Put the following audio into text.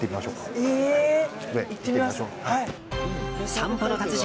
「散歩の達人」